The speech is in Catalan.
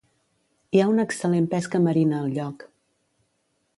Hi ha una excel·lent pesca marina al lloc.